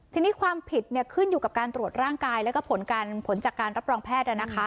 ทีนี้ความผิดขึ้นอยู่กับการตรวจร่างกายแล้วก็ผลจากการรับรองแพทย์